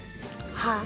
はあ。